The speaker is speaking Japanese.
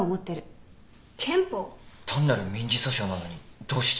単なる民事訴訟なのにどうして。